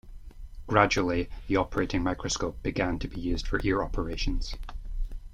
Gradually the operating microscope began to be used for ear operations.